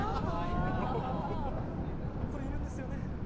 これ、いるんですよね。